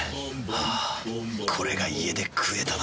あぁこれが家で食えたなら。